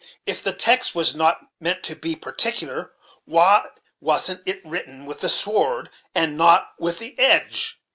If the text was not meant to be particular, why wasn't it written with the sword, and not with the edge?